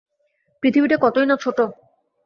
পৃথিবীটা কতোই না ছোট!